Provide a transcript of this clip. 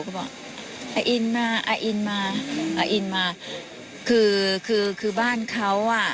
เขาบอกอาอินมาอาอินมาอาอินมาคือคือบ้านเขาอ่ะ